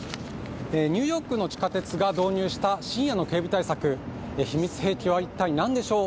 ニューヨークの地下鉄が導入した深夜の警備対策、秘密兵器は一体、何でしょう